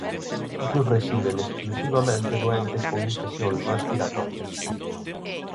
Outros reciben exclusivamente doentes con infeccións respiratorias.